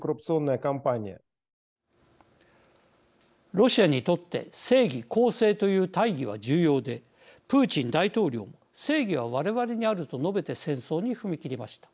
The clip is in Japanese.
ロシアにとって正義、公正という大義は重要でプーチン大統領も正義は我々にあると述べて戦争に踏み切りました。